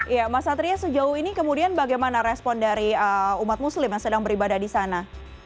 ya mas satria sejauh ini kemudian bagaimana respon dari umat muslim yang sedang beribadah di sana